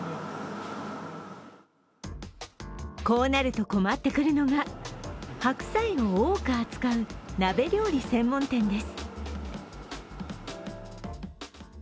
こうなると困ってくるのが、白菜を多く扱う鍋料理専門店です。